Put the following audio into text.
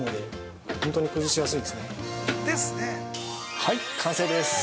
はい、完成です。